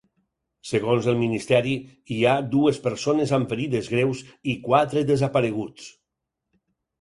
Segons el ministeri, hi ha dues persones amb ferides greus i quatre desapareguts.